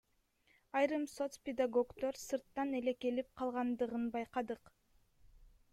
Айрым соцпедагогдор сырттан эле келип калгандыгын байкадык.